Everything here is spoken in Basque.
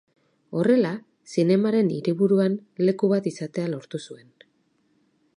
Horrela, zinemaren hiriburuan leku bat izatea lortu zuen.